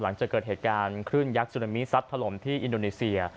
หลังจากเกิดเหตุการณ์คลื่นยักษ์สุนามิซัดถล่มที่อินโดนีเซีย